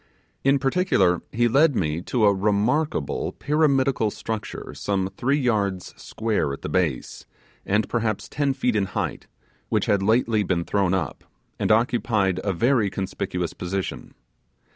In particular, he led me to a remarkable pyramidical structure some three yards square at the base, and perhaps ten feet in height, which had lately been thrown up, and occupied a very conspicuous position.